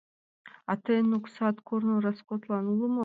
А тыйын оксат корно роскотлан уло?